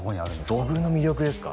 土偶の魅力ですか？